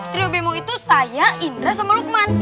trio bemo itu saya indra sama lukman